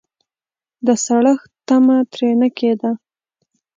د سړښت تمه ترې نه کېده.